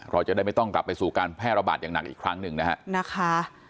เราจะได้ไม่ต้องกลับไปสู่การแพร่ระบาดอย่างหนักอีกครั้งหนึ่งนะฮะ